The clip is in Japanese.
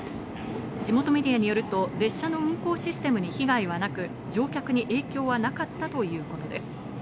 地元メディアによると、列車の運行システムに被害はなく、乗客に影響はなかったということです。